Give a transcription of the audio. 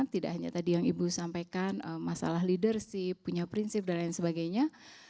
tidak hanya tadi yang ibu sampaikan masalah leadership punya prinsip dan lain sebagainya